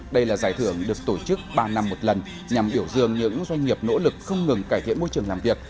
đây là giải thưởng được tổ chức ba năm một lần nhằm biểu dương những doanh nghiệp nỗ lực không ngừng cải thiện môi trường làm việc